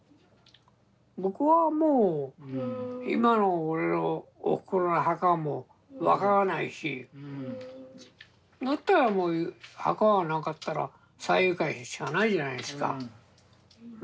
僕はもう今の俺のおふくろの墓も分からないしだったらもう墓がなかったら山友会しかないじゃないですか。